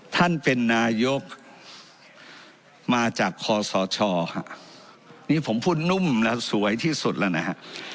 ท่านเป็นนายกมาจากคอสชค่ะนี่ผมพูดนุ่มแล้วสวยที่สุดแล้วนะฮะ